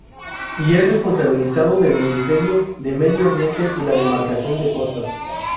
Y es responsabilidad del Ministerio de Medio Ambiente y la Demarcación de Costas.